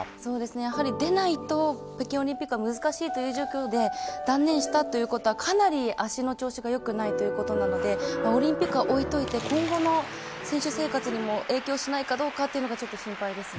やはり出ないと北京オリンピックは難しいという状況で断念したということはかなり足の調子が良くないということなのでオリンピックは置いておいて今後の選手生活にも影響しないかどうかというのが少し心配ですね。